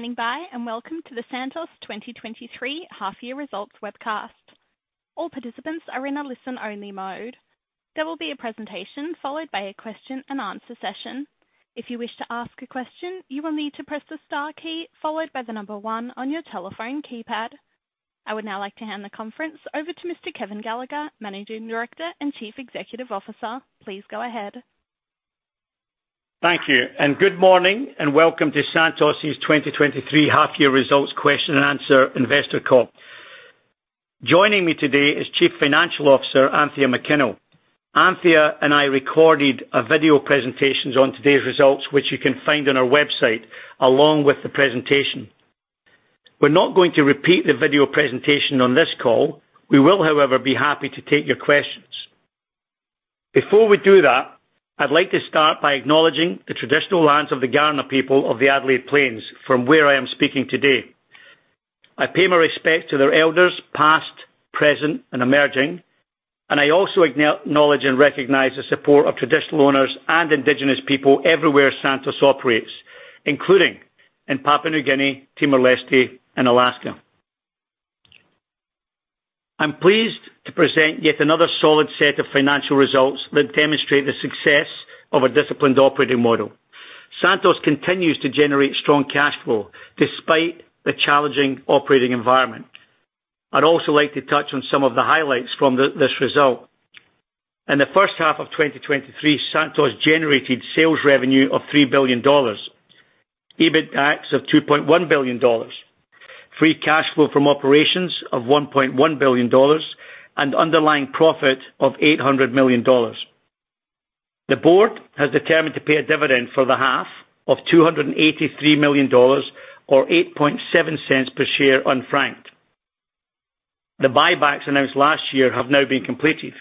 Thank you for standing by, and welcome to the Santos 2023 half year results webcast. All participants are in a listen-only mode. There will be a presentation followed by a question-and-answer session. If you wish to ask a question, you will need to press the star key followed by the number 1 on your telephone keypad. I would now like to hand the conference over to Mr. Kevin Gallagher, Managing Director and Chief Executive Officer. Please go ahead. Thank you, and good morning, and welcome to Santos' 2023 half year results question-and-answer investor call. Joining me today is Chief Financial Officer, Anthea McKinnell. Anthea and I recorded a video presentations on today's results, which you can find on our website, along with the presentation. We're not going to repeat the video presentation on this call. We will, however, be happy to take your questions. Before we do that, I'd like to start by acknowledging the traditional owners of the Kaurna people of the Adelaide Plains, from where I am speaking today. I pay my respect to their elders, past, present, and emerging, and I also acknowledge and recognize the support of traditional owners and indigenous people everywhere Santos operates, including in Papua New Guinea, Timor-Leste, and Alaska. I'm pleased to present yet another solid set of financial results that demonstrate the success of our disciplined operating model. Santos continues to generate strong cash flow despite the challenging operating environment. I'd also like to touch on some of the highlights from this result. In the first half of 2023, Santos generated sales revenue of 3 billion dollars, EBITDA of 2.1 billion dollars, free cash flow from operations of 1.1 billion dollars, and underlying profit of 800 million dollars. The board has determined to pay a dividend for the half of 283 million dollars or 0.087 per share unfranked. The buybacks announced last year have now been completed.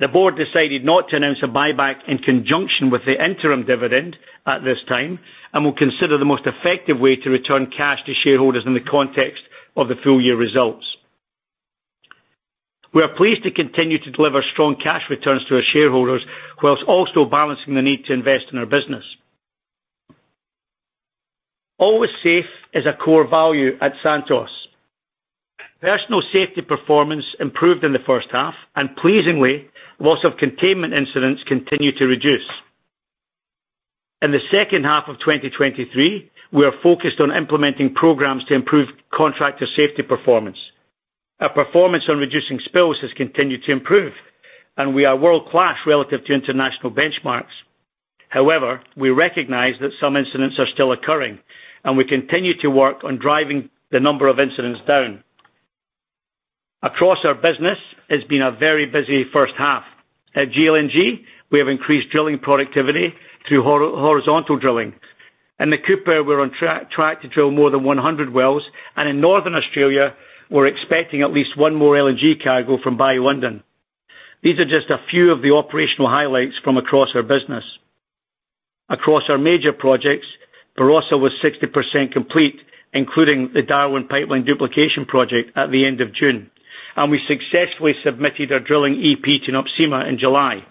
The board decided not to announce a buyback in conjunction with the interim dividend at this time and will consider the most effective way to return cash to shareholders in the context of the full-year results. We are pleased to continue to deliver strong cash returns to our shareholders, while also balancing the need to invest in our business. Always safe is a core value at Santos. Personal safety performance improved in the first half, and pleasingly, loss of containment incidents continue to reduce. In the second half of 2023, we are focused on implementing programs to improve contractor safety performance. Our performance on reducing spills has continued to improve, and we are world-class relative to international benchmarks. However, we recognize that some incidents are still occurring, and we continue to work on driving the number of incidents down. Across our business, it's been a very busy first half. At GLNG, we have increased drilling productivity through horizontal drilling. In the Cooper, we're on track to drill more than 100 wells, and in Northern Australia, we're expecting at least one more LNG cargo from Bayu-Undan. These are just a few of the operational highlights from across our business. Across our major projects, Barossa was 60% complete, including the Darwin Pipeline Duplication project at the end of June, and we successfully submitted our drilling EP to NOPSEMA in July.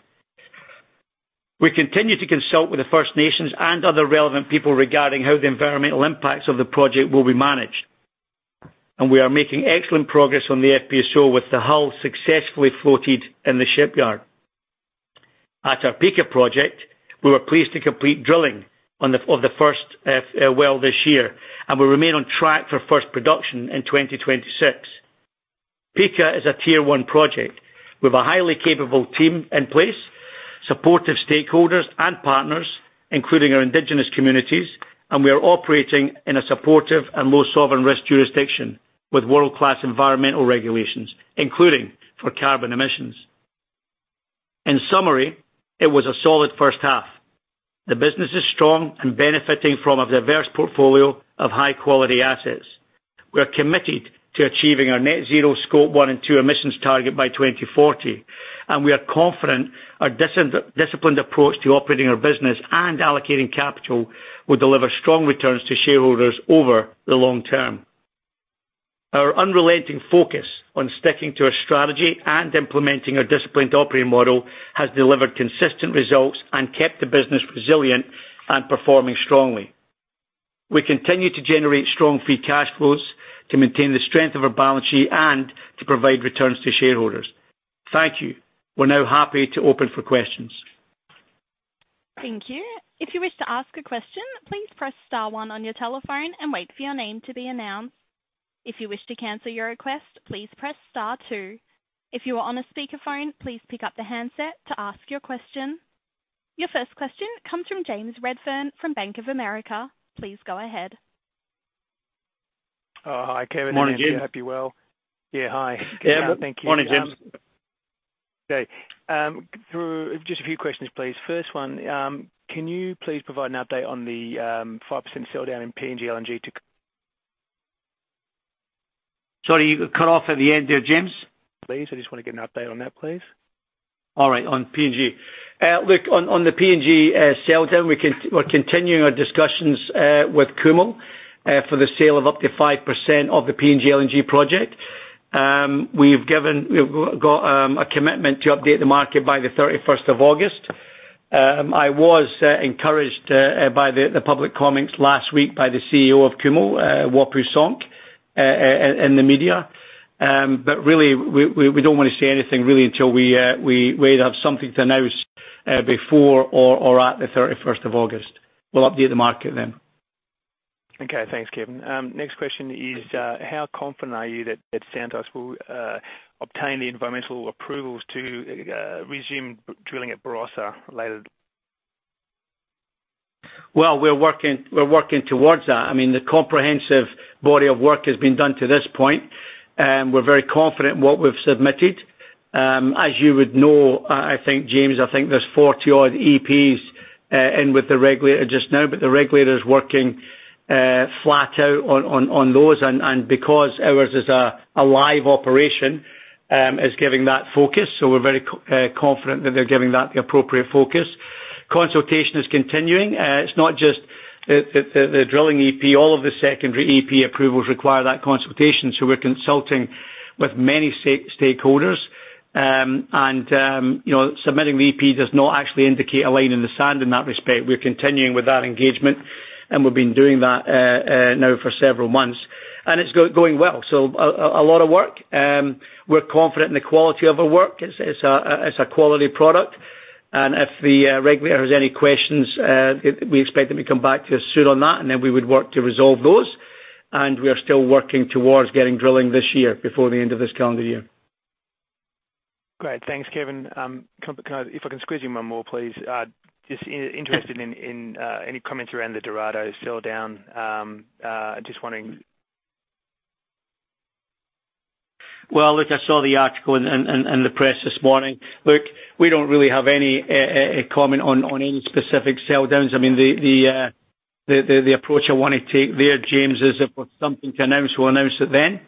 We continue to consult with the First Nations and other relevant people regarding how the environmental impacts of the project will be managed, and we are making excellent progress on the FPSO, with the hull successfully floated in the shipyard. At our Pikka project, we were pleased to complete drilling on the... Of the first, well this year, and we remain on track for first production in 2026. Pikka is a tier one project with a highly capable team in place, supportive stakeholders and partners, including our indigenous communities, and we are operating in a supportive and low sovereign risk jurisdiction with world-class environmental regulations, including for carbon emissions. In summary, it was a solid first half. The business is strong and benefiting from a diverse portfolio of high-quality assets. We are committed to achieving our net zero Scope 1 and 2 emissions target by 2040, and we are confident our disciplined approach to operating our business and allocating capital will deliver strong returns to shareholders over the long term. Our unrelenting focus on sticking to our strategy and implementing our disciplined operating model has delivered consistent results and kept the business resilient and performing strongly. We continue to generate strong free cash flows to maintain the strength of our balance sheet and to provide returns to shareholders. Thank you. We're now happy to open for questions. Thank you. If you wish to ask a question, please press star one on your telephone and wait for your name to be announced. If you wish to cancel your request, please press star two. If you are on a speakerphone, please pick up the handset to ask your question. Your first question comes from James Redfern from Bank of America. Please go ahead. Oh, hi, Kevin. Morning, James. I hope you're well. Yeah, hi. Yeah. Thank you. Morning, James. Okay, through... Just a few questions, please. First one, can you please provide an update on the 5% sell down in PNG LNG to- Sorry, you got cut off at the end there, James. Please, I just want to get an update on that, please. All right, on PNG. Look, on the PNG sell down, we're continuing our discussions with Kumul for the sale of up to 5% of the PNG LNG project. We've got a commitment to update the market by the 31st of August. I was encouraged by the public comments last week by the CEO of KOGAS, Baek Jong-hoon, in the media. Really we don't want to say anything really, until we have something to announce before or at the 31st of August. We'll update the market then. Okay, thanks, Kevin. Next question is, how confident are you that Santos will obtain the environmental approvals to resume drilling at Barossa later? Well, we're working, we're working towards that. I mean, the comprehensive body of work has been done to this point, and we're very confident in what we've submitted. As you would know, I think, James, I think there's 40 odd EPs in with the regulator just now, the regulator is working flat out on those, because ours is a live operation, is giving that focus. We're very confident that they're giving that the appropriate focus. Consultation is continuing. It's not just the drilling EP, all of the secondary EP approvals require that consultation, so we're consulting with many stakeholders. You know, submitting the EP does not actually indicate a line in the sand in that respect. We're continuing with that engagement. We've been doing that now for several months, and it's going well. A lot of work. We're confident in the quality of our work. It's a quality product. If the regulator has any questions, we expect them to come back to us soon on that. Then we would work to resolve those. We are still working towards getting drilling this year before the end of this calendar year. Great. Thanks, Kevin. If I can squeeze you one more, please? Just interested in, in, any comments around the Dorado sell down, just wanting... Well, look, I saw the article in, in, in the press this morning. Look, we don't really have any comment on any specific sell downs. I mean, the, the, the approach I want to take there, James, is if we've something to announce, we'll announce it then.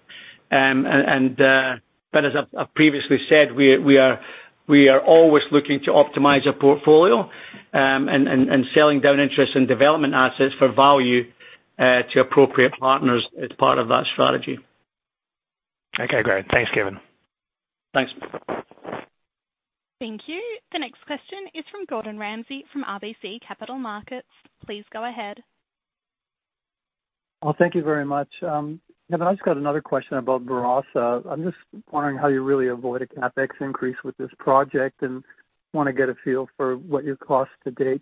As I've, I've previously said, we are, we are always looking to optimize our portfolio, selling down interests in development assets for value to appropriate partners is part of that strategy. Okay, great. Thanks, Kevin. Thanks. Thank you. The next question is from Gordon Ramsay, from RBC Capital Markets. Please go ahead. Well, thank you very much. Kevin, I've just got another question about Barossa. I'm just wondering how you really avoid a CapEx increase with this project, and want to get a feel for what your costs to date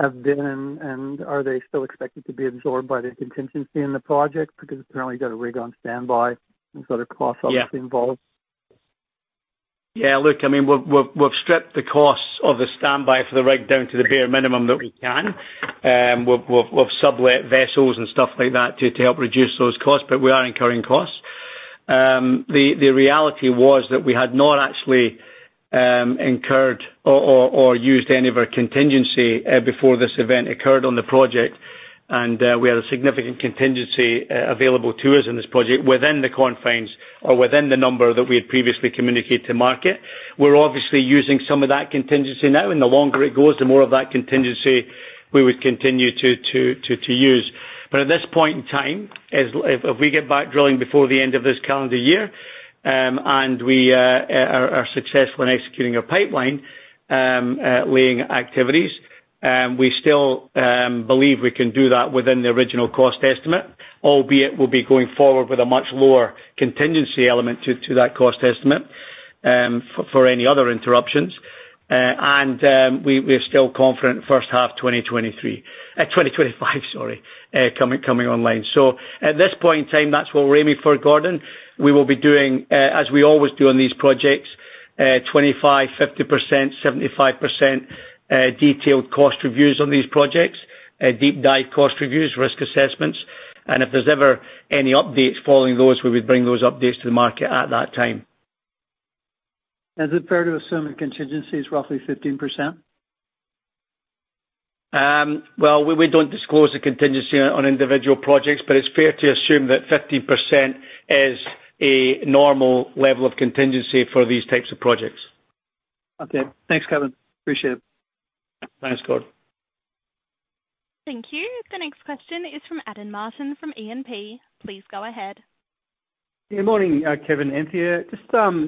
have been, and are they still expected to be absorbed by the contingency in the project? Because apparently you've got a rig on standby, there are costs obviously involved. Yeah. Look, I mean, we've, we've, we've stripped the costs of the standby for the rig down to the bare minimum that we can. We've, we've, we've sublet vessels and stuff like that to, to help reduce those costs, but we are incurring costs. The reality was that we had not actually incurred or used any of our contingency before this event occurred on the project, and we had a significant contingency available to us in this project within the confines or within the number that we had previously communicated to market. We're obviously using some of that contingency now, and the longer it goes, the more of that contingency we would continue to use. At this point in time, if, if we get back drilling before the end of this calendar year, and we are successful in executing our pipeline laying activities, we still believe we can do that within the original cost estimate, albeit we'll be going forward with a much lower contingency element to, to that cost estimate for any other interruptions. We're still confident first half 2023, 2025, sorry, coming, coming online. At this point in time, that's what we're aiming for, Gordon. We will be doing, as we always do on these projects, 25, 50%, 75% detailed cost reviews on these projects, deep dive cost reviews, risk assessments, and if there's ever any updates following those, we would bring those updates to the market at that time. Is it fair to assume the contingency is roughly 15%? Well, we, we don't disclose the contingency on individual projects, but it's fair to assume that 15% is a normal level of contingency for these types of projects. Okay. Thanks, Kevin. Appreciate it. Thanks, Gordon. Thank you. The next question is from Adam Martin, from E&P Financial Group. Please go ahead. Good morning, Kevin. Adam here. Just,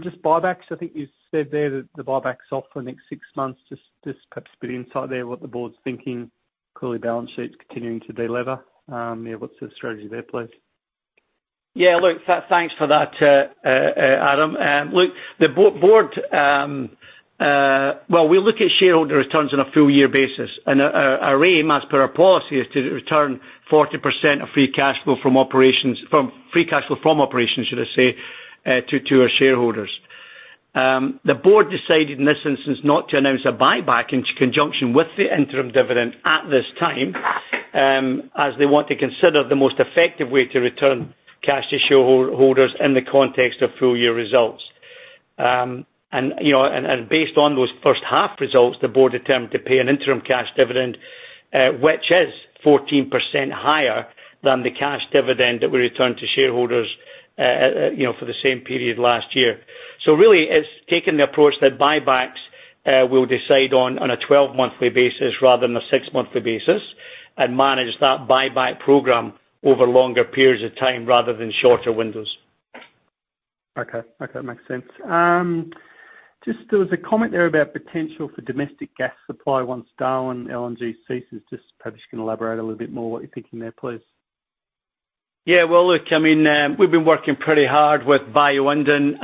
just buybacks. I think you said there that the buyback's off for the next 6 months. Just, just perhaps a bit insight there, what the board's thinking. Clearly, balance sheet's continuing to delever. Yeah, what's the strategy there, please? Yeah, look, thanks for that, Adam. look, the board, well, we look at shareholder returns on a full year basis, and our, our, our aim, as per our policy, is to return 40% of free cash flow from operations, from free cash flow from operations, should I say, to, to our shareholders. The board decided, in this instance, not to announce a buyback in conjunction with the interim dividend at this time, as they want to consider the most effective way to return cash to shareholder holders in the context of full year results. You know, and, and based on those first half results, the board attempted to pay an interim cash dividend, which is 14% higher than the cash dividend that we returned to shareholders, you know, for the same period last year. Really, it's taking the approach that buybacks, we'll decide on, on a 12-monthly basis rather than a 6-monthly basis, and manage that buyback program over longer periods of time rather than shorter windows. Okay. Okay, makes sense. just there was a comment there about potential for domestic gas supply once Darwin LNG ceases. Perhaps you can elaborate a little bit more what you're thinking there, please? Yeah, well, look, I mean, we've been working pretty hard with Bayu-Undan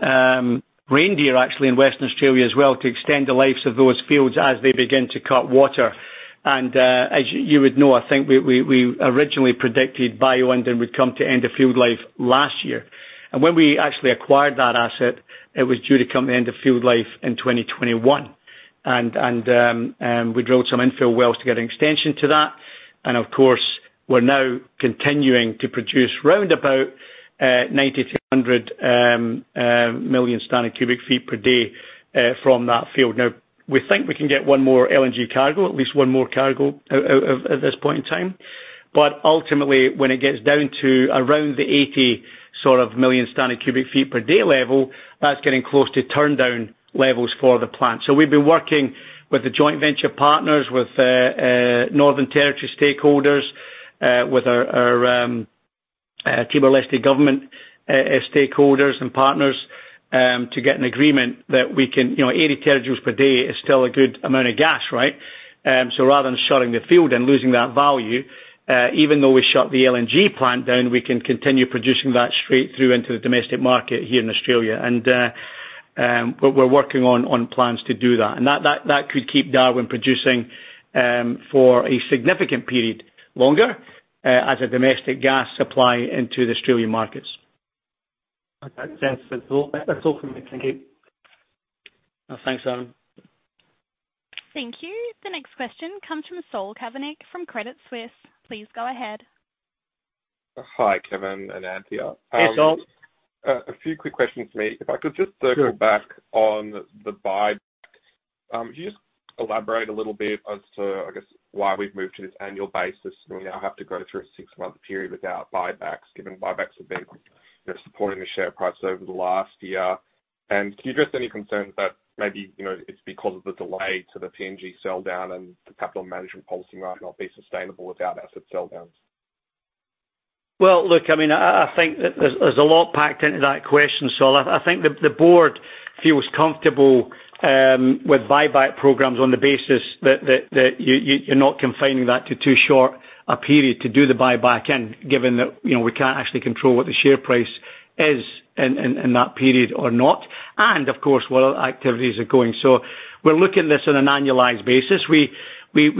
and Reindeer, actually, in Western Australia as well, to extend the lives of those fields as they begin to cut water. As you, you would know, I think we, we, we originally predicted Bayu-Undan would come to end of field life last year. When we actually acquired that asset, it was due to come end of field life in 2021. We drilled some infill wells to get an extension to that. Of course, we're now continuing to produce round about 9,300 million standard cubic feet per day from that field. Now, we think we can get 1 more LNG cargo, at least 1 more cargo out, out at this point in time. Ultimately, when it gets down to around the 80 sort of million standard cubic feet per day level, that's getting close to turndown levels for the plant. We've been working with the joint venture partners, with Northern Territory stakeholders, with our Timor-Leste government stakeholders and partners, to get an agreement that we can... You know, 80 terajoules per day is still a good amount of gas, right? Rather than shutting the field and losing that value, even though we shut the LNG plant down, we can continue producing that straight through into the domestic market here in Australia. We're working on plans to do that. That, that, that could keep Darwin producing for a significant period longer as a domestic gas supply into the Australian market Okay. Thanks for that. That's all from me. Thank you. Thanks, Aaron. Thank you. The next question comes from Saul Kavonic, from Credit Suisse. Please go ahead. Hi, Kevin and Anthea. Hey, Saul. Few quick questions for me. Sure. If I could just circle back on the buyback. Could you just elaborate a little bit as to, I guess, why we've moved to this annual basis, and we now have to go through a six-month period without buybacks, given buybacks have been supporting the share price over the last year? Can you address any concerns that maybe, you know, it's because of the delay to the PNG sell down and the capital management policy might not be sustainable without asset sell downs? Well, look, I mean, I, I think that there's, there's a lot packed into that question, Saul. I think the, the board feels comfortable with buyback programs on the basis that, that, that you, you, you're not confining that to too short a period to do the buyback, and given that, you know, we can't actually control what the share price is in, in, in that period or not, and of course, what other activities are going. We're looking at this on an annualized basis. We, we,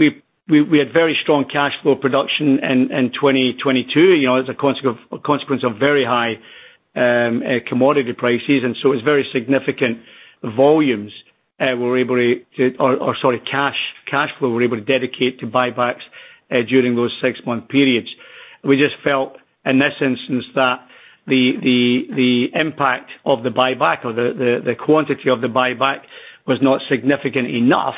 we, we had very strong cash flow production in, in 2022, you know, as a consequence of very high commodity prices, and so it's very significant volumes we're able to... Or, or sorry, cash, cash flow we're able to dedicate to buybacks during those six-month periods. We just felt in this instance that the, the, the impact of the buyback or the, the, the quantity of the buyback was not significant enough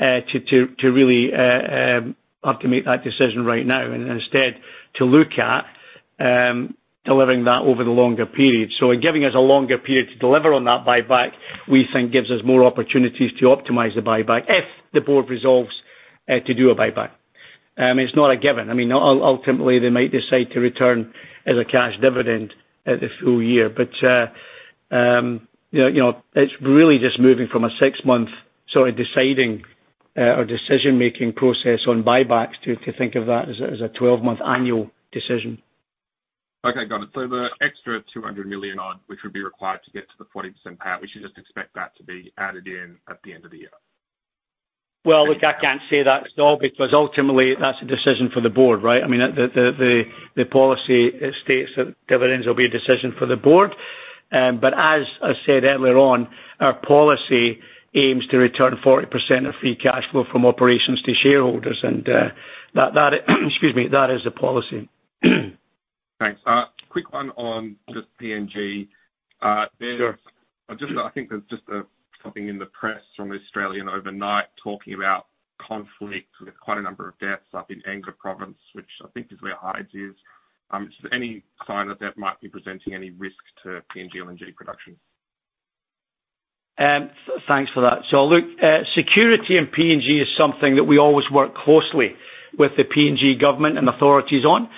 to really have to make that decision right now, and instead to look at delivering that over the longer period. In giving us a longer period to deliver on that buyback, we think gives us more opportunities to optimize the buyback if the board resolves to do a buyback. It's not a given. I mean, ultimately, they might decide to return as a cash dividend at the full year. You know, it's really just moving from a 6-month sort of deciding or decision-making process on buybacks to think of that as a 12-month annual decision. Okay, got it. The extra 200 million odd, which would be required to get to the 40% payout, we should just expect that to be added in at the end of the year? Well, look, I can't say that, Saul, because ultimately, that's a decision for the board, right? I mean, the, the, the, the policy states that dividends will be a decision for the board. As I said earlier on, our policy aims to return 40% of free cash flow from operations to shareholders, that, excuse me, that is the policy. Thanks. Quick one on just PNG. Sure. I just, I think there's just something in the press from Australian overnight, talking about conflict with quite a number of deaths up in Enga Province, which I think is where Hides is. Any sign that that might be presenting any risk to PNG LNG production? Thanks for that. Look, security in PNG is something that we always work closely with the PNG government and authorities on.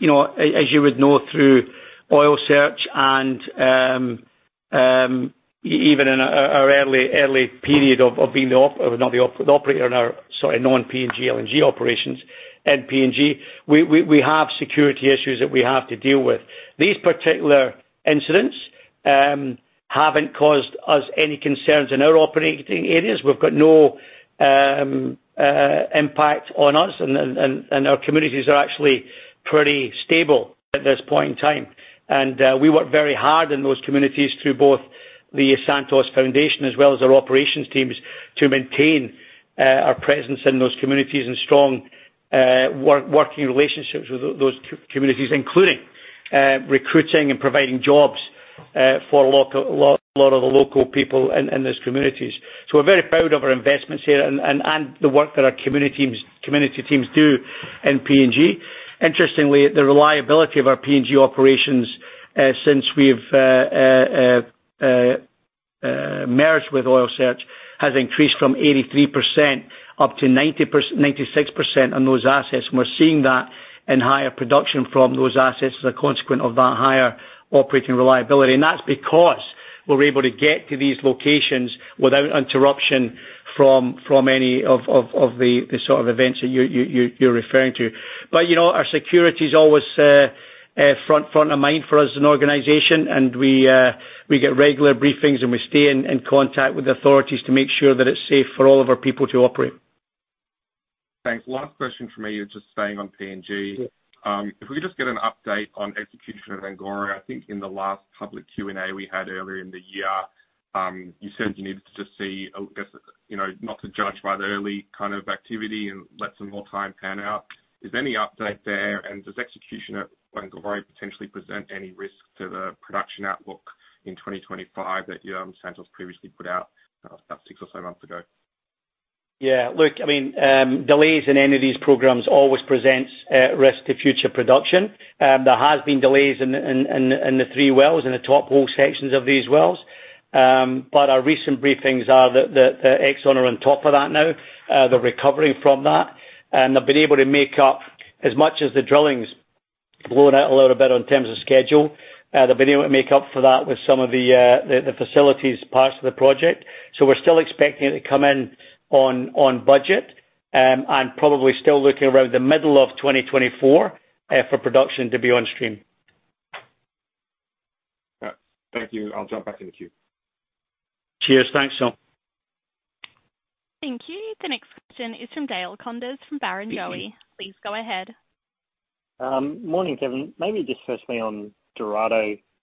You know, as, as you would know, through Oil Search and even in our early, early period of being not the operator in our, sorry, non-PNG LNG operations in PNG, we, we, we have security issues that we have to deal with. These particular incidents haven't caused us any concerns in our operating areas. We've got no impact on us, and, and, and, and our communities are actually pretty stable at this point in time. We work very hard in those communities through both the Santos Foundation as well as our operations teams, to maintain our presence in those communities and strong working relationships with those communities, including recruiting and providing jobs for lot of the local people in those communities. We're very proud of our investments here and the work that our community teams, community teams do in PNG. Interestingly, the reliability of our PNG operations since we've merged with Oil Search, has increased from 83% up to 96% on those assets. We're seeing that in higher production from those assets as a consequence of that higher operating reliability. That's because we're able to get to these locations without interruption from any of the sort of events that you're referring to. But, you know, our security is always front of mind for us as an organization, and we get regular briefings, and we stay in contact with the authorities to make sure that it's safe for all of our people to operate. Thanks. Last question from me is just staying on PNG. Sure. If we could just get an update on execution of Angore. I think in the last public Q&A we had earlier in the year, you said you needed to just see, I guess, you know, not to judge by the early kind of activity and let some more time pan out. Is there any update there, and does execution at Angore potentially present any risk to the production outlook in 2025 that Santos previously put out about 6 or 7 months ago? Yeah. Look, I mean, delays in any of these programs always presents risk to future production. There has been delays in the three wells, in the top hole sections of these wells. Our recent briefings are that, that the Exxon are on top of that now. They're recovering from that, and they've been able to make up as much as the drilling's blown out a little bit on terms of schedule. They've been able to make up for that with some of the facilities parts of the project. We're still expecting it to come in on, on budget, and probably still looking around the middle of 2024 for production to be on stream. All right. Thank you. I'll jump back in the queue. Cheers. Thanks, Saul. Thank you. The next question is from Dale Koenders, from Barrenjoey. Please go ahead. Morning, Kevin. Maybe just firstly on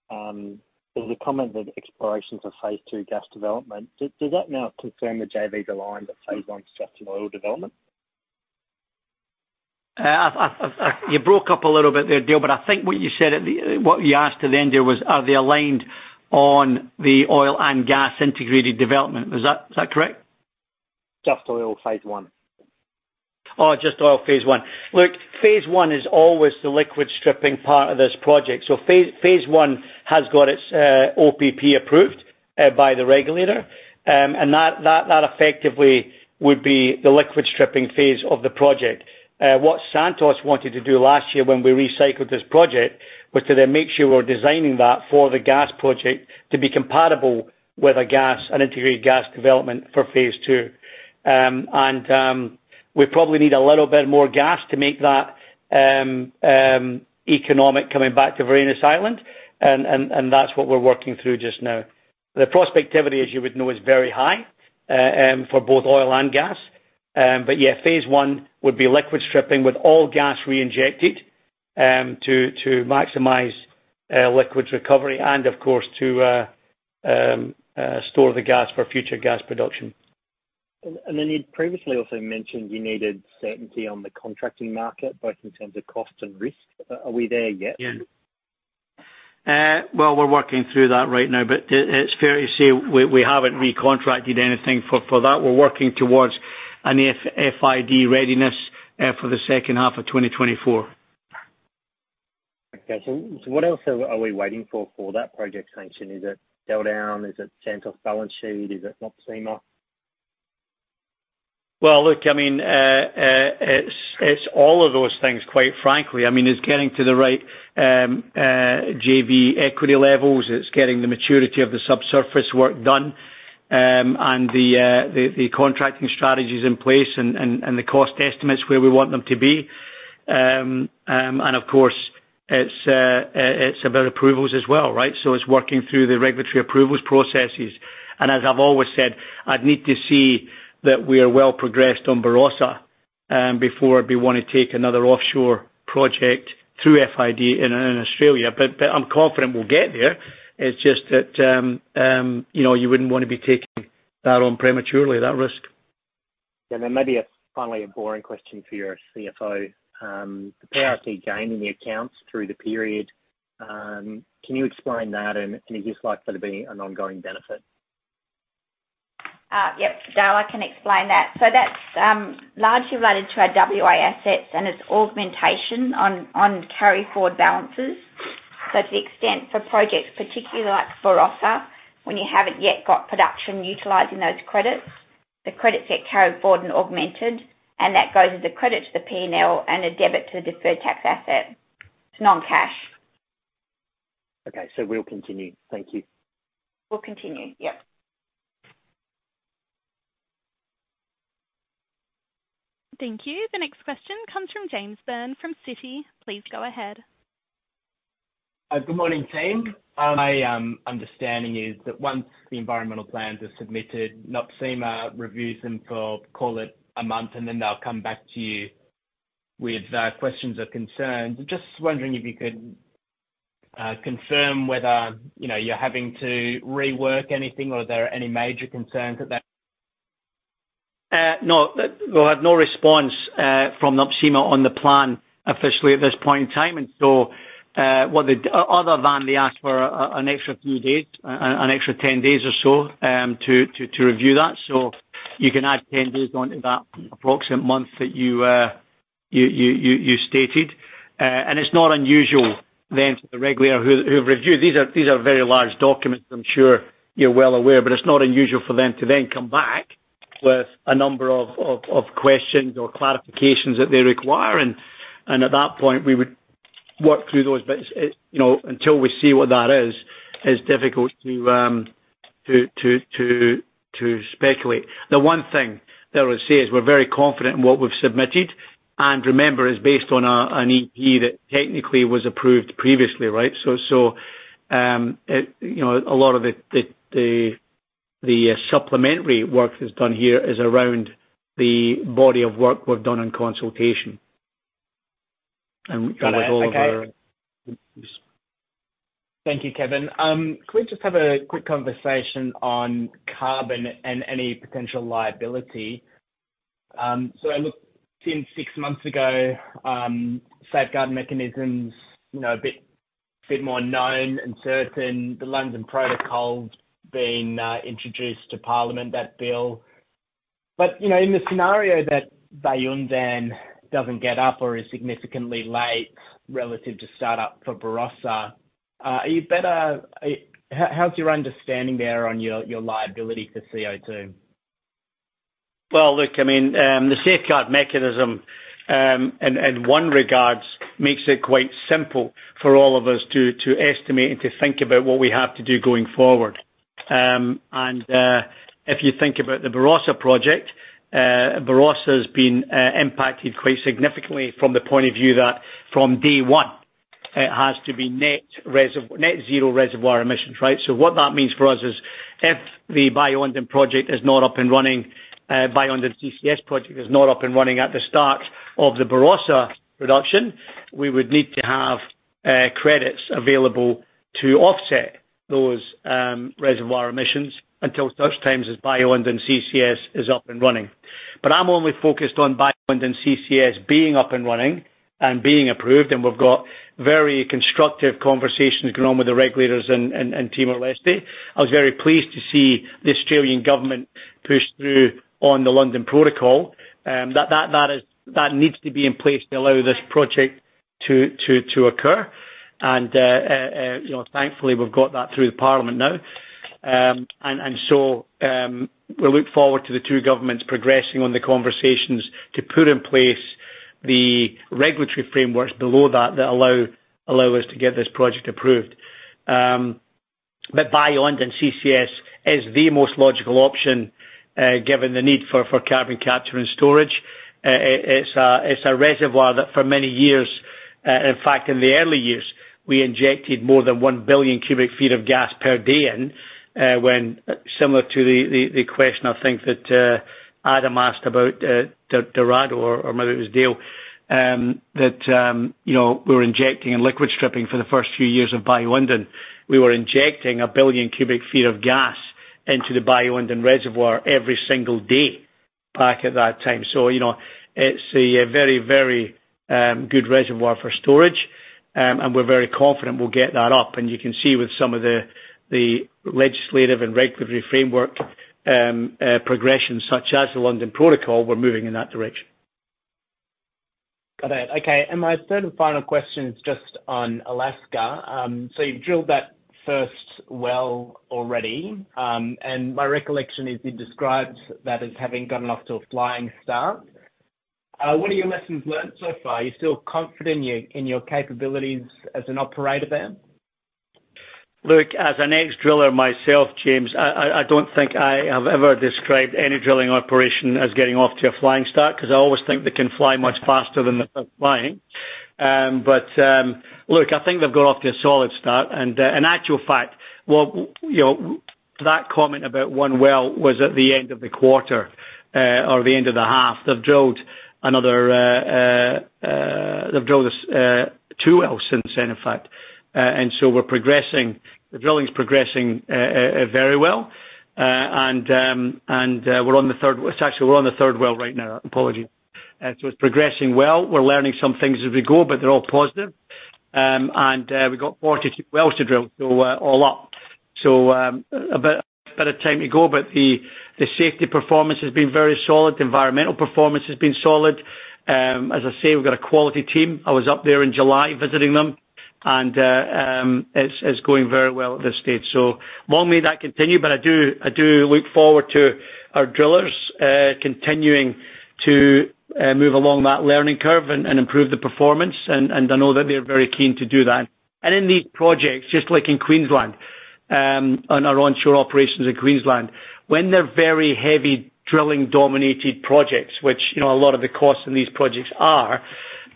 Dorado, there's a comment that explorations are phase two gas development. Does, does that now confirm the JV aligned with phase one gas and oil development? You broke up a little bit there, Dale, but I think what you said at the, what you asked at the end there was, are they aligned on the oil and gas integrated development? Was that, is that correct? Just oil, phase one. Oh, just oil, phase one. Look, phase one is always the liquid stripping part of this project. Phase, phase one has got its OPP approved by the regulator. That, that, that effectively would be the liquid stripping phase of the project. What Santos wanted to do last year when we recycled this project, was to then make sure we're designing that for the gas project to be compatible with an integrated gas development for phase two. We probably need a little bit more gas to make that economic coming back to Barrenjoey Island, and, and, and that's what we're working through just now. The prospectivity, as you would know, is very high for both oil and gas. Yeah, phase one would be liquid stripping with all gas reinjected, to maximize liquid recovery and of course, to store the gas for future gas production. And then you'd previously also mentioned you needed certainty on the contracting market, both in terms of cost and risk. Are we there yet? Yeah. Well, we're working through that right now, but it, it's fair to say we, we haven't recontracted anything for, for that. We're working towards an FID readiness for the second half of 2024. Okay. So what else are we waiting for for that project sanction? Is it down? Is it Santos balance sheet? Is it NOPSEMA? Well, look, I mean, it's, it's all of those things, quite frankly. I mean, it's getting to the right JV equity levels. It's getting the maturity of the subsurface work done, and the contracting strategies in place and the cost estimates where we want them to be. Of course, it's, it's about approvals as well, right? It's working through the regulatory approvals processes. As I've always said, I'd need to see that we are well progressed on Barossa before we want to take another offshore project through FID in Australia. I'm confident we'll get there. It's just that, you know, you wouldn't want to be taking that on prematurely, that risk. Maybe a finally, a boring question for your CFO. The power gain in the accounts through the period, can you explain that, and is this likely to be an ongoing benefit? Yep. Dale, I can explain that. That's largely related to our WA assets and its augmentation on carry forward balances. To the extent for projects, particularly like Barossa, when you haven't yet got production utilizing those credits, the credits get carried forward and augmented, and that goes as a credit to the P&L and a debit to the deferred tax asset. It's non-cash. Okay. We'll continue. Thank you. We'll continue. Yep. Thank you. The next question comes from James Byrne from Citi. Please go ahead. Good morning, team. My understanding is that once the environmental plans are submitted, NOPSEMA reviews them for, call it, one month. They'll come back to you with questions or concerns. Just wondering if you could confirm whether, you know, you're having to rework anything or are there any major concerns at that? No. We'll have no response from NOPSEMA on the plan officially at this point in time, other than they ask for an extra few days, an extra 10 days or so, to review that. You can add 10 days onto that approximate month that you stated, it's not unusual then for the regulator who've reviewed. These are very large documents, I'm sure you're well aware, it's not unusual for them to then come back with a number of questions or clarifications that they require. At that point, we would work through those bits. You know, until we see what that is, it's difficult to speculate. The one thing that I would say is we're very confident in what we've submitted, and remember, it's based on an EP that technically was approved previously, right? So, so, it, you know, a lot of it, the, the, the supplementary work that's done here is around the body of work we've done in consultation. And with all of our- Got it. Okay. Thank you, Kevin. Can we just have a quick conversation on carbon and any potential liability? So I look since six months ago, Safeguard Mechanism, you know, a bit, bit more known and certain, the London Protocol being introduced to Parliament, that bill. You know, in the scenario that Bayu-Undan doesn't get up or is significantly late relative to start up for Barossa, how, how's your understanding there on your, your liability for CO2? Well, look, I mean, the Safeguard Mechanism, in, in one regards, makes it quite simple for all of us to, to estimate and to think about what we have to do going forward. If you think about the Barossa project, Barossa has been impacted quite significantly from the point of view that from day one, it has to be net zero reservoir emissions, right? What that means for us is if the Bayu-Undan project is not up and running, Bayu-Undan CCS project is not up and running at the start of the Barossa production, we would need to have credits available to offset those reservoir emissions until such times as Bayu-Undan CCS is up and running. I'm only focused on Bayu-Undan CCS being up and running and being approved, and we've got very constructive conversations going on with the regulators and, and, and Timor-Leste. I was very pleased to see the Australian government push through on the London Protocol. That needs to be in place to allow this project to, to, to occur. You know, thankfully, we've got that through the parliament now. We look forward to the two governments progressing on the conversations to put in place the regulatory frameworks below that, that allow, allow us to get this project approved. Bayu-Undan CCS is the most logical option, given the need for, for carbon capture and storage. It's a, it's a reservoir that for many years, in fact, in the early years, we injected more than 1 billion cubic feet of gas per day in, when... Similar to the, the, the question, I think that Adam asked about Dorado or, or maybe it was Dale, that, you know, we were injecting and liquid stripping for the first few years of Bayu-Undan. We were injecting 1 billion cubic feet of gas into the Bayu-Undan reservoir every single day back at that time. You know, it's a very, very good reservoir for storage, and we're very confident we'll get that up. You can see with some of the, the legislative and regulatory framework, progressions such as the London Protocol, we're moving in that direction. Got it. Okay, my third and final question is just on Alaska. You've drilled that first well already, and my recollection is you described that as having gotten off to a flying start. What are your lessons learned so far? Are you still confident in your, in your capabilities as an operator there? Look, as an ex-driller myself, James, I don't think I have ever described any drilling operation as getting off to a flying start, 'cause I always think they can fly much faster than the flying. Look, I think they've got off to a solid start and in actual fact, well, you know, that comment about 1 well was at the end of the quarter or the end of the half. They've drilled another, they've drilled 2 wells since then, in fact. We're progressing. The drilling is progressing very well. We're on the third. Actually, we're on the third well right now. Apologies. It's progressing well. We're learning some things as we go, but they're all positive. We've got 42 wells to drill, so all up. A bit, bit of time to go, but the, the safety performance has been very solid. The environmental performance has been solid. As I say, we've got a quality team. I was up there in July visiting them, and it's, it's going very well at this stage. Long may that continue, but I do, I do look forward to our drillers continuing to move along that learning curve and, and improve the performance, and, and I know that they're very keen to do that. In these projects, just like in Queensland, on our onshore operations in Queensland, when they're very heavy, drilling-dominated projects, which, you know, a lot of the costs in these projects are,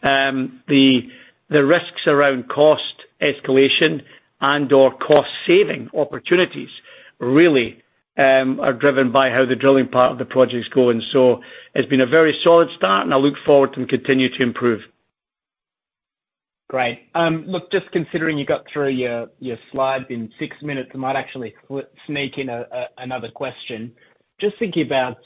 the risks around cost escalation and/or cost-saving opportunities really, are driven by how the drilling part of the projects go. It's been a very solid start, and I look forward to them continue to improve. Great. Look, just considering you got through your, your slides in six minutes, I might actually sneak in another question. Just thinking about,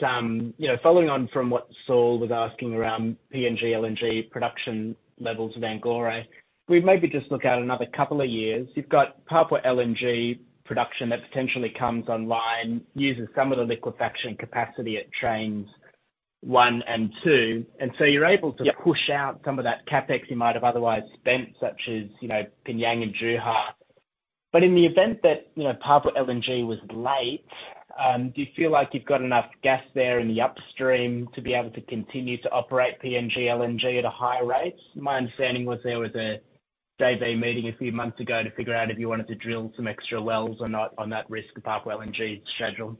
you know, following on from what Saul was asking around PNG, LNG production levels of Angore. We maybe just look out another couple of years. You've got Papua LNG production that potentially comes online, uses some of the liquefaction capacity at Trains One and Two. So you're able to. Yep... push out some of that CapEx you might have otherwise spent, such as, you know, PNG and Juha. In the event that, you know, Papua LNG was late, do you feel like you've got enough gas there in the upstream to be able to continue to operate PNG LNG at a higher rate? My understanding was there was a JV meeting a few months ago to figure out if you wanted to drill some extra wells or not on that risk, Papua LNG schedule.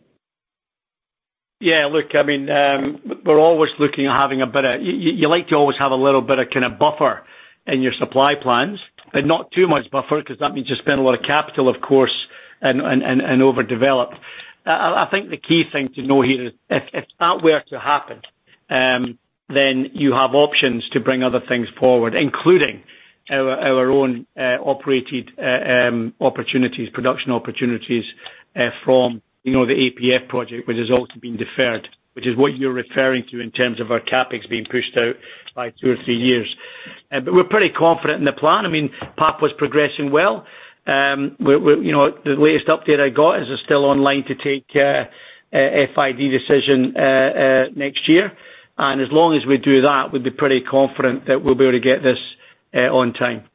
Yeah, look, I mean, we're always looking at having a better you, you like to always have a little bit of kinda buffer in your supply plans, but not too much buffer, 'cause that means you spend a lot of capital, of course, and, and, overdevelop. I think the key thing to know here is, if, if that were to happen, then you have options to bring other things forward, including our, our own operated opportunities, production opportunities, from, you know, the APF project, which has also been deferred, which is what you're referring to in terms of our CapEx being pushed out by two or three years. We're pretty confident in the plan. I mean, Papua is progressing well. we're you know, the latest update I got is it's still online to take a FID decision next year. As long as we do that, we'd be pretty confident that we'll be able to get this on time.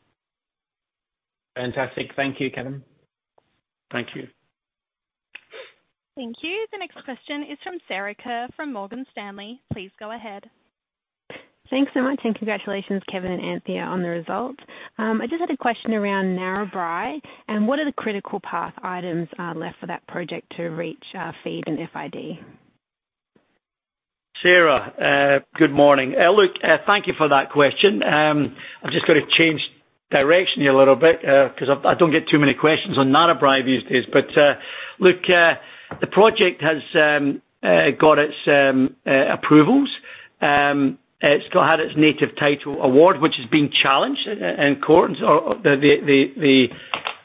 Fantastic. Thank you, Kevin. Thank you. Thank you. The next question is from Sarah Kerr, from Morgan Stanley. Please go ahead. Thanks so much. Congratulations, Kevin and Anthea, on the results. I just had a question around Narrabri, and what are the critical path items left for that project to reach, FEED and FID? Sarah, good morning. Look, thank you for that question. I've just got to change direction here a little bit, 'cause I, I don't get too many questions on Narrabri these days. Look, the project has got its approvals. It's still had its Native Title award, which is being challenged in court. The, the,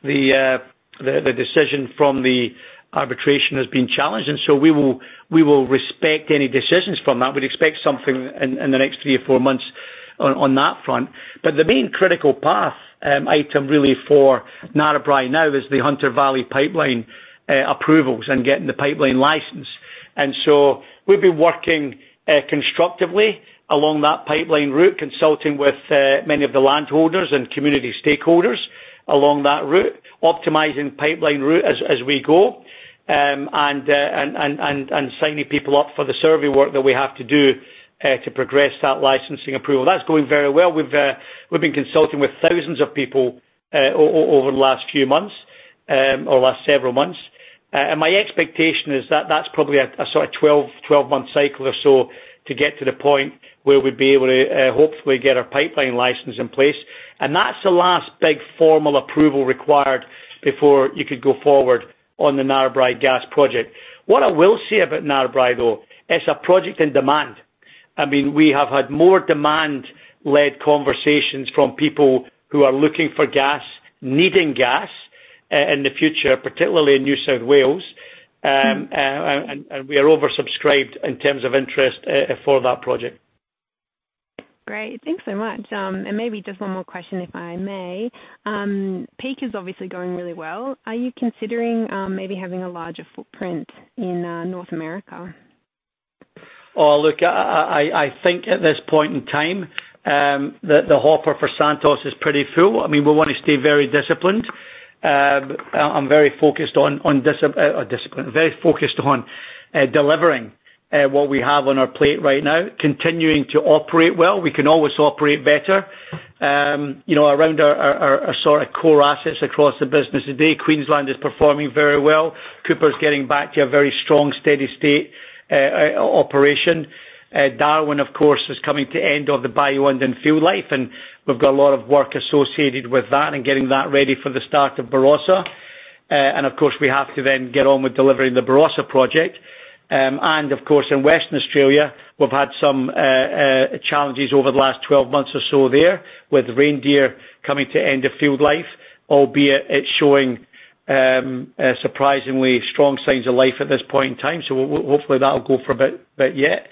the, the decision from the arbitration has been challenged, and so we will, we will respect any decisions from that. We'd expect something in the next three or four months on that front. The main critical path item really for Narrabri now is the Hunter Valley pipeline approvals and getting the pipeline licensed. We've been working constructively along that pipeline route, consulting with many of the landholders and community stakeholders along that route, optimizing pipeline route as we go, and signing people up for the survey work that we have to do to progress that licensing approval. That's going very well. We've been consulting with thousands of people over the last few months or last several months. My expectation is that that's probably a sort of 12-month cycle or so to get to the point where we'd be able to hopefully get our pipeline license in place. That's the last big formal approval required before you could go forward on the Narrabri Gas Project. What I will say about Narrabri, though, it's a project in demand. I mean, we have had more demand-led conversations from people who are looking for gas, needing gas, in the future, particularly in New South Wales. And we are oversubscribed in terms of interest for that project. Great. Thanks so much. Maybe just one more question, if I may. Pikka is obviously going really well. Are you considering maybe having a larger footprint in North America? Oh, look, I, I, I think at this point in time, the, the hopper for Santos is pretty full. I mean, we want to stay very disciplined. I'm very focused on, on disciplined, very focused on delivering what we have on our plate right now, continuing to operate well. We can always operate better. You know, around our, our, our, our sort of core assets across the business today, Queensland is performing very well. Cooper's getting back to a very strong, steady state operation. Darwin, of course, is coming to end of the Bayu-Undan field life, and we've got a lot of work associated with that and getting that ready for the start of Barossa. Of course, we have to then get on with delivering the Barossa project. Of course, in Western Australia, we've had some challenges over the last 12 months or so there, with Reindeer coming to end of field life, albeit it's showing a surprisingly strong signs of life at this point in time. Hopefully that'll go for a bit, bit yet.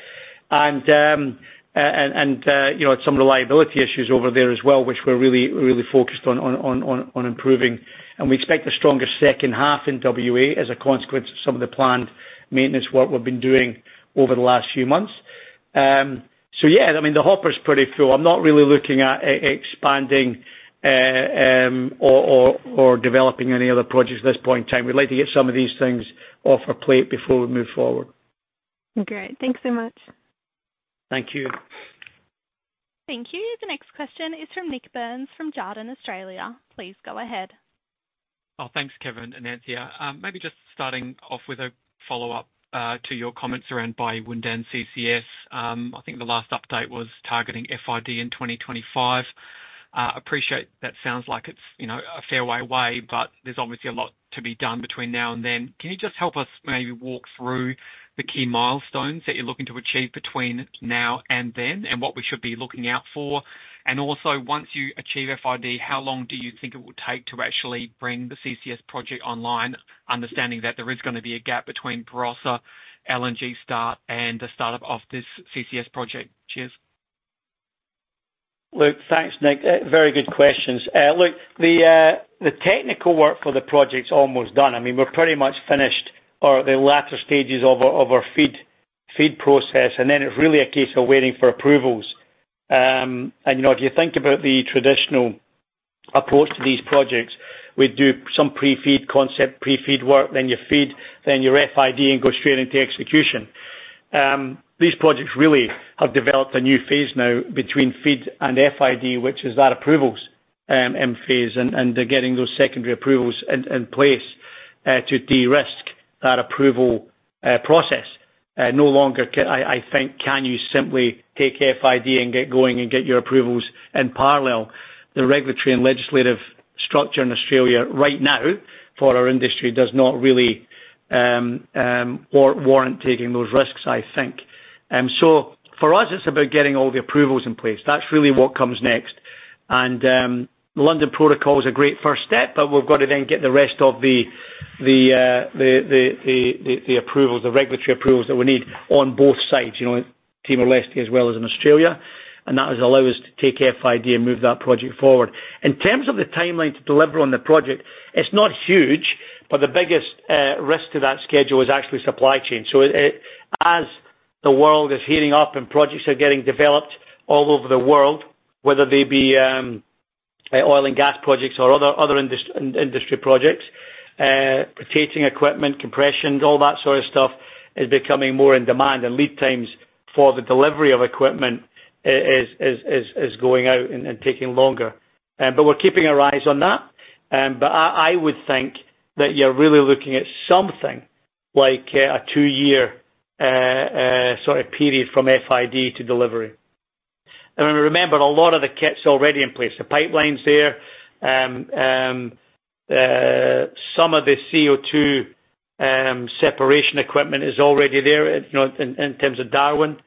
You know, some reliability issues over there as well, which we're really, really focused on, on, on, on, on improving. We expect a stronger second half in WA as a consequence of some of the planned maintenance work we've been doing over the last few months. Yeah, I mean, the hopper is pretty full. I'm not really looking at expanding or developing any other projects at this point in time. We'd like to get some of these things off our plate before we move forward. Great. Thanks so much. Thank you. Thank you. The next question is from Nik Burns from Jarden, Australia. Please go ahead. Oh, thanks, Kevin and Anthea. Maybe just starting off with a follow-up to your comments around Bayu-Undan CCS. I think the last update was targeting FID in 2025. Appreciate that sounds like it's, you know, a fair way away, but there's obviously a lot to be done between now and then. Can you just help us maybe walk through the key milestones that you're looking to achieve between now and then, and what we should be looking out for? Also, once you achieve FID, how long do you think it will take to actually bring the CCS project online, understanding that there is going to be a gap between Barossa LNG start and the start-up of this CCS project? Cheers. Look, thanks, Nik. Very good questions. Look, the, the technical work for the project's almost done. I mean, we're pretty much finished or at the latter stages of our, of our FEED, FEED process, and then it's really a case of waiting for approvals. You know, if you think about the traditional approach to these projects, we do some pre-FEED concept, pre-FEED work, then you FEED, then you FID and go straight into execution. These projects really have developed a new phase now between FEED and FID, which is that approvals, phase, and, and getting those secondary approvals in, in place, to de-risk that approval, process. No longer can, I, I think, can you simply take FID and get going and get your approvals in parallel. The regulatory and legislative structure in Australia right now for our industry does not really warrant taking those risks, I think. For us, it's about getting all the approvals in place. That's really what comes next. The London Protocol is a great first step, but we've got to then get the rest of the approvals, the regulatory approvals that we need on both sides, you know, Timor-Leste, as well as in Australia, and that has allowed us to take FID and move that project forward. In terms of the timeline to deliver on the project, it's not huge, but the biggest risk to that schedule is actually supply chain. It, it as the world is heating up and projects are getting developed all over the world, whether they be oil and gas projects or other, other industry projects, rotating equipment, compressions, all that sort of stuff is becoming more in demand, and lead times for the delivery of equipment is going out and taking longer. We're keeping our eyes on that. I, I would think that you're really looking at something like a two-year sort of period from FID to delivery. Remember, a lot of the kit's already in place, the pipeline's there. Some of the CO2 separation equipment is already there, you know, in, in terms of Darwin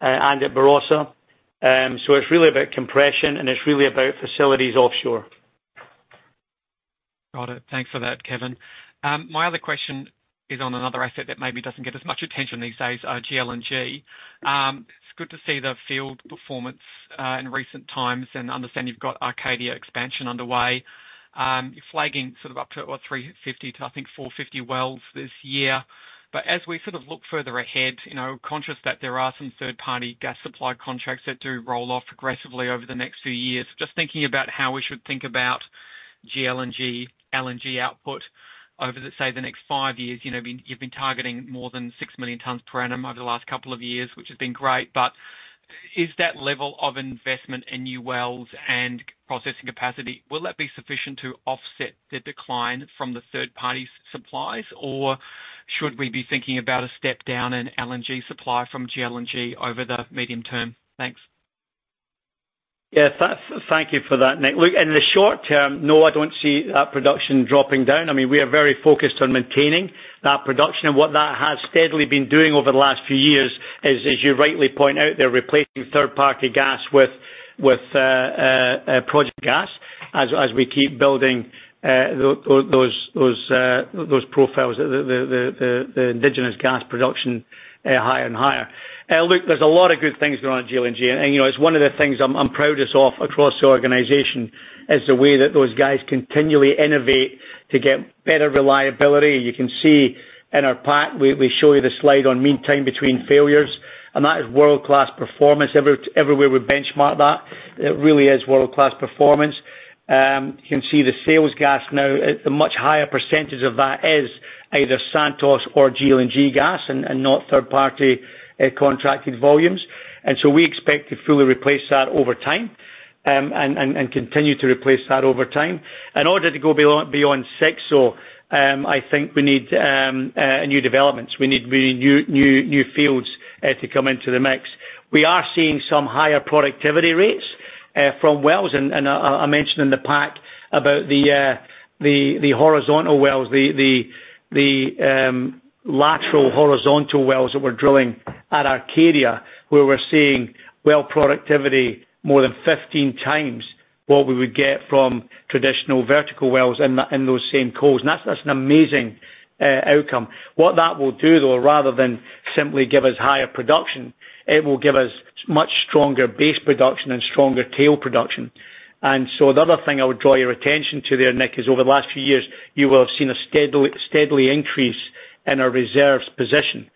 and at Barossa. It's really about compression, and it's really about facilities offshore. Got it. Thanks for that, Kevin. My other question is on another asset that maybe doesn't get as much attention these days, GLNG. It's good to see the field performance in recent times and understand you've got Arcadia expansion underway. You're flagging sort of up to what, 350 to, I think, 450 wells this year. As we sort of look further ahead, you know, conscious that there are some third-party gas supply contracts that do roll off aggressively over the next few years. Just thinking about how we should think about GLNG, LNG output over the, say, the next five years. You know, you've been targeting more than 6 million tons per annum over the last couple of years, which has been great. Is that level of investment in new wells and processing capacity, will that be sufficient to offset the decline from the third-party supplies, or should we be thinking about a step down in LNG supply from GLNG over the medium term? Thanks. Yes, thank you for that, Nik. Look, in the short term, no, I don't see that production dropping down. I mean, we are very focused on maintaining that production. What that has steadily been doing over the last few years is, as you rightly point out, they're replacing third-party gas with, with project gas as, as we keep building those, those profiles, the, the, the, the, the indigenous gas production higher and higher. Look, there's a lot of good things going on at GLNG, you know, it's one of the things I'm, I'm proudest of across the organization, is the way that those guys continually innovate to get better reliability. You can see in our pack, we, we show you the slide on mean time between failures, that is world-class performance. Everywhere we benchmark that, it really is world-class performance. You can see the sales gas now, a much higher percentage of that is either Santos or GLNG gas and not third-party contracted volumes. So we expect to fully replace that over time and continue to replace that over time. In order to go beyond, beyond six, so I think we need new developments. We need new fields to come into the mix. We are seeing some higher productivity rates from wells, and I mentioned in the pack about the horizontal wells, the lateral horizontal wells that we're drilling at Arcadia, where we're seeing well productivity more than 15 times what we would get from traditional vertical wells in that, in those same coals. That's, that's an amazing outcome. What that will do, though, rather than simply give us higher production, it will give us much stronger base production and stronger tail production. The other thing I would draw your attention to there, Nik, is over the last few years, you will have seen a steadily increase in our reserves position.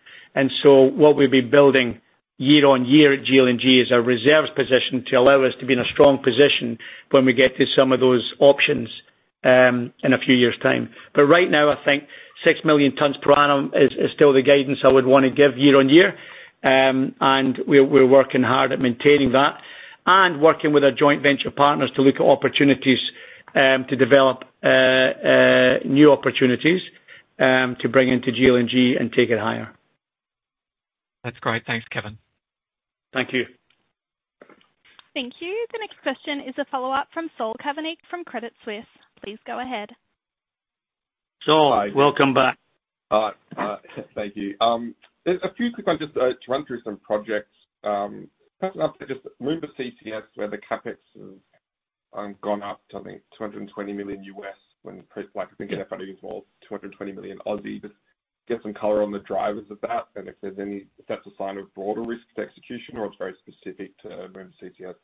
What we've been building year on year at GLNG is our reserves position to allow us to be in a strong position when we get to some of those options, in a few years' time. Right now, I think 6 million tons per annum is still the guidance I would want to give year on year. We're, we're working hard at maintaining that and working with our joint venture partners to look at opportunities, to develop, new opportunities, to bring into GLNG and take it higher. That's great. Thanks, Kevin. Thank you. Thank you. The next question is a follow-up from Saul Kavonic from Credit Suisse. Please go ahead. Saul, welcome back. All right. Thank you. There's a few quick ones just to run through some projects. First up, just Moomba CCS, where the CapEx has gone up to, I think, $220 million, when like, I think if I use more, 220 million. Just get some color on the drivers of that and if there's any-- if that's a sign of broader risk execution or it's very specific to Moomba CCS?...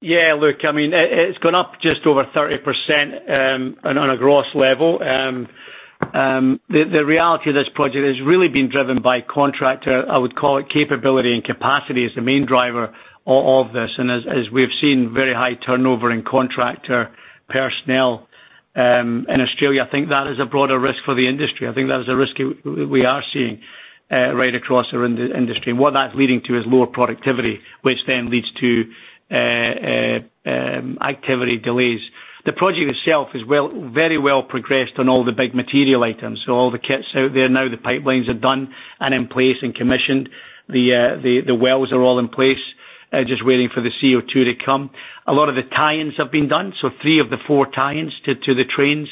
Yeah, look, I mean, it, it's gone up just over 30% on, on a gross level. The, the reality of this project has really been driven by contractor. I would call it capability and capacity is the main driver of, of this. As, as we've seen very high turnover in contractor personnel in Australia, I think that is a broader risk for the industry. I think that is a risk we, we are seeing right across our industry. What that's leading to is lower productivity, which then leads to activity delays. The project itself is very well progressed on all the big material items. All the kits out there, now the pipelines are done and in place and commissioned. The, the wells are all in place, just waiting for the CO2 to come. A lot of the tie-ins have been done, so three of the four tie-ins to the trains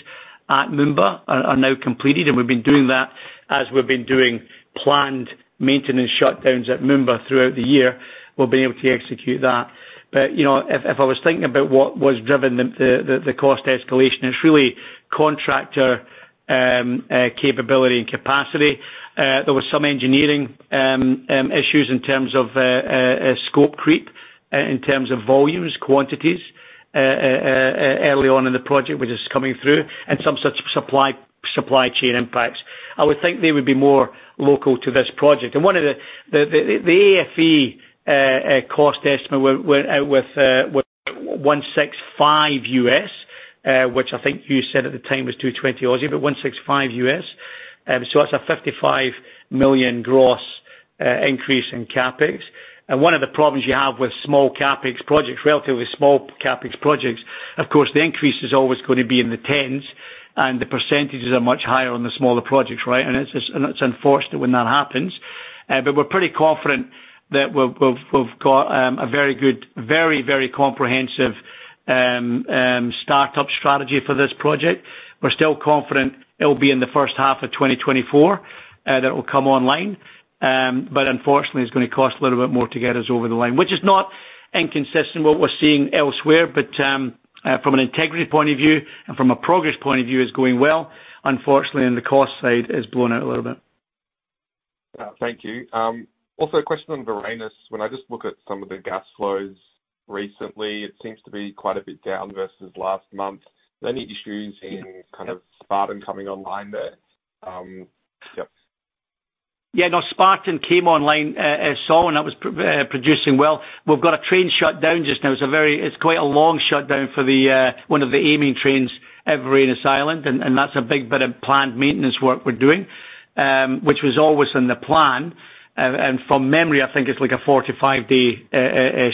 at Moomba are now completed, and we've been doing that as we've been doing planned maintenance shutdowns at Moomba throughout the year. We've been able to execute that. You know, if I was thinking about what was driving the cost escalation, it's really contractor capability and capacity. There was some engineering issues in terms of scope creep, in terms of volumes, quantities early on in the project, which is coming through, and some supply chain impacts. I would think they would be more local to this project. One of the AFE cost estimate were out with $165 million, which I think you said at the time was 220 million, but $165 million. That's a $55 million gross increase in CapEx. One of the problems you have with small CapEx projects, relatively small CapEx projects, of course, the increase is always going to be in the tens, and the percentages are much higher on the smaller projects, right? It's, and it's unfortunate when that happens. We're pretty confident that we've, we've, we've got a very good, very, very comprehensive startup strategy for this project. We're still confident it'll be in the first half of 2024 that it will come online. Unfortunately, it's going to cost a little bit more to get us over the line, which is not inconsistent with what we're seeing elsewhere. From an integrity point of view and from a progress point of view, it's going well. Unfortunately, on the cost side, it's blown out a little bit. Thank you. Also a question on Varanus. When I just look at some of the gas flows recently, it seems to be quite a bit down versus last month. Any issues in kind of Spartan coming online there? Yep. Yeah, no, Spartan came online as so, that was producing well. We've got a train shut down just now. It's quite a long shutdown for the one of the amine trains at Varanus Island, that's a big bit of planned maintenance work we're doing, which was always in the plan. From memory, I think it's like a four-to-five day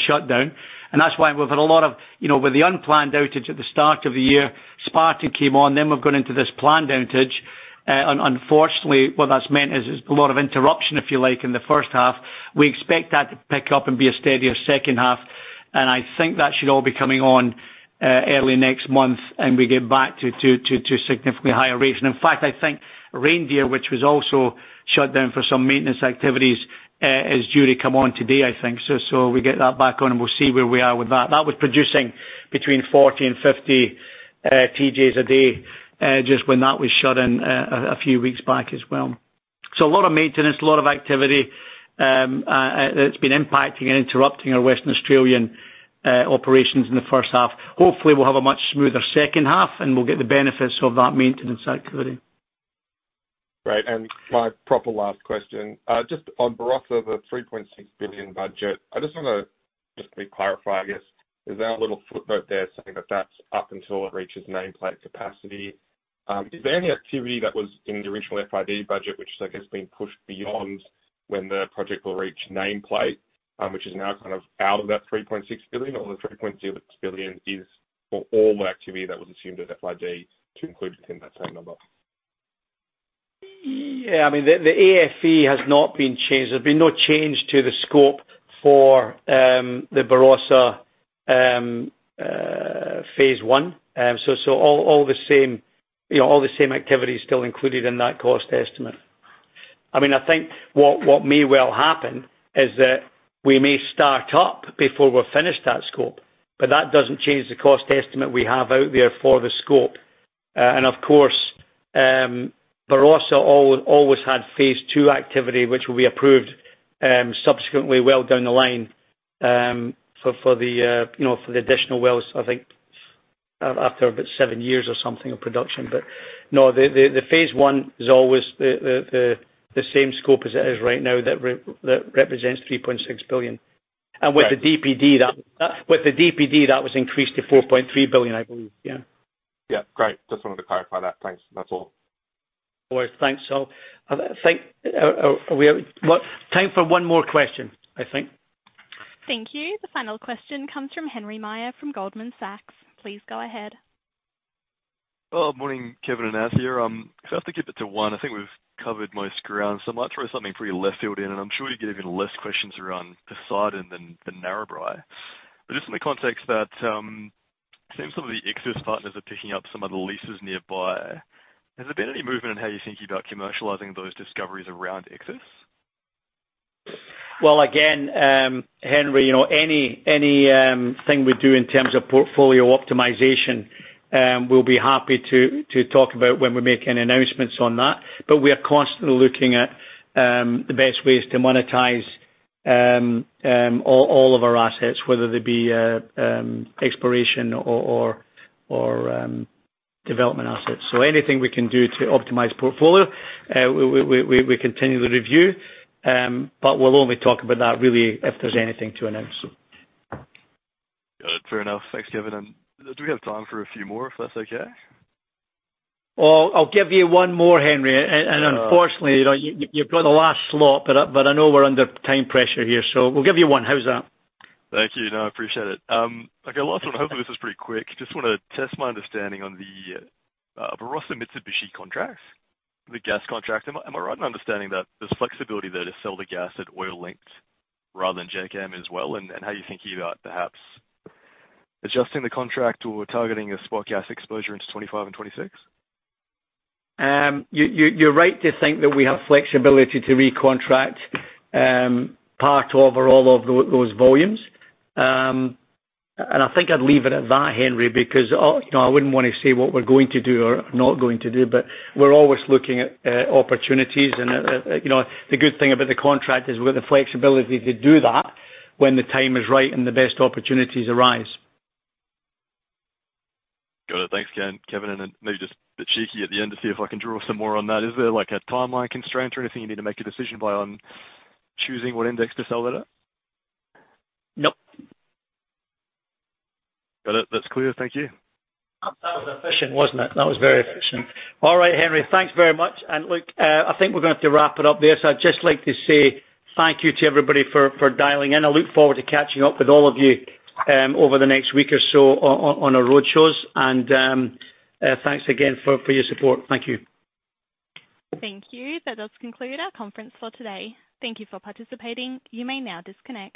shutdown. That's why we've had a lot of... You know, with the unplanned outage at the start of the year, Spartan came on, then we've gone into this planned outage. Unfortunately, what that's meant is a lot of interruption, if you like, in the first half. We expect that to pick up and be a steadier second half. I think that should all be coming on early next month. We get back to significantly higher rates. In fact, I think Reindeer, which was also shut down for some maintenance activities, is due to come on today, I think. We get that back on, and we'll see where we are with that. That was producing between 40 and 50 TJ a day, just when that was shut in a few weeks back as well. A lot of maintenance, a lot of activity, it's been impacting and interrupting our Western Australian operations in the first half. Hopefully, we'll have a much smoother second half, and we'll get the benefits of that maintenance activity. Great. My proper last question, just on Barossa, the $3.6 billion budget, I just want to just clarify, I guess. Is there a little footnote there saying that that's up until it reaches nameplate capacity? Is there any activity that was in the original FID budget, which I guess has been pushed beyond when the project will reach nameplate, which is now kind of out of that $3.6 billion, or the $3.6 billion is for all the activity that was assumed at FID to include within that same number? Yeah, I mean, the AFE has not been changed. There's been no change to the scope for the Barossa, phase one. All the same, you know, all the same activities still included in that cost estimate. I mean, I think what may well happen is that we may start up before we're finished that scope, but that doesn't change the cost estimate we have out there for the scope. Of course, Barossa always had phase two activity, which will be approved subsequently well down the line for the, you know, for the additional wells, I think, after about seven years or something of production. No, the phase one is always the same scope as it is right now, that represents 3.6 billion. Right. With the DPD, that was increased to 4.3 billion, I believe. Yeah. Yeah. Great. Just wanted to clarify that. Thanks. That's all. All right. Thanks, so I think, we have what? Time for one more question, I think. Thank you. The final question comes from Henry Meyer from Goldman Sachs. Please go ahead. Well, morning, Kevin and Anthea. I have to keep it to one. I think we've covered most ground, so I might throw something pretty left field in, and I'm sure you get even less questions around Poseidon than, than Narrabri. Just in the context that, it seems some of the Exxon partners are picking up some of the leases nearby. Has there been any movement in how you're thinking about commercializing those discoveries around Exxon? Well, again, Henry, you know, any, any thing we do in terms of portfolio optimization. We'll be happy to talk about when we make any announcements on that. We are constantly looking at the best ways to monetize all, all of our assets, whether they be exploration or, or, or development assets. Anything we can do to optimize portfolio, we, we, we, we, we continually review. We'll only talk about that really if there's anything to announce. Got it. Fair enough. Thanks, Kevin. Do we have time for a few more, if that's okay? Well, I'll give you one more, Henry. Sure. Unfortunately, you know, you've got the last slot, but I know we're under time pressure here, so we'll give you 1. How's that? Thank you. No, I appreciate it. Okay, last one, hopefully this is pretty quick. Just wanna test my understanding on the Barossa Mitsubishi contract, the gas contract. Am I right in understanding that there's flexibility there to sell the gas at oil linked rather than JKM as well? How are you thinking about perhaps adjusting the contract or targeting your spot gas exposure into 2025 and 2026? You, you, you're right to think that we have flexibility to recontract part over all of those volumes. I think I'd leave it at that, Henry, because, oh, you know, I wouldn't want to say what we're going to do or not going to do, but we're always looking at opportunities. You know, the good thing about the contract is we've got the flexibility to do that when the time is right and the best opportunities arise. Got it. Thanks again, Kevin, and then maybe just a bit cheeky at the end to see if I can draw some more on that. Is there like a timeline constraint or anything you need to make a decision by, on choosing what index to sell it at? Nope. Got it. That's clear. Thank you. That was efficient, wasn't it? That was very efficient. All right, Henry, thanks very much. Look, I think we're going to have to wrap it up there. I'd just like to say thank you to everybody for, for dialing in. I look forward to catching up with all of you, over the next week or so on, on our road shows. Thanks again for, for your support. Thank you. Thank you. That does conclude our conference for today. Thank you for participating. You may now disconnect.